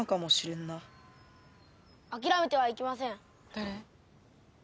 「誰？」